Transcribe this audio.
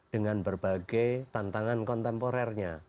dengan berbagai tantangan kontemporernya